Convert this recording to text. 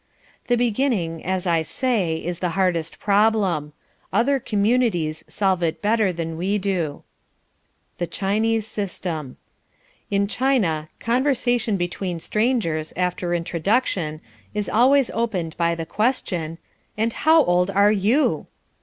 The beginning, as I say, is the hardest problem. Other communities solve it better than we do. The Chinese System In China conversation, between strangers after introduction, is always opened by the question, "And how old are YOU?"